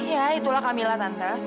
ya itulah kamila tante